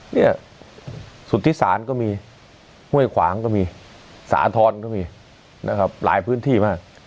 เนี่ยสุธิศาลก็มีห้วยขวางก็มีสาธรณ์ก็มีนะครับหลายพื้นที่มาก